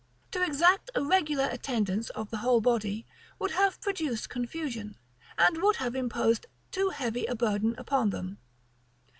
To exact a regular attendance of the whole body would have produced confusion, and would have imposed too heavy a burden upon them.